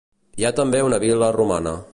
Hi ha també una vil·la romana.